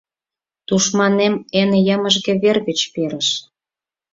Тушманем эн йымыжге вер гыч перыш...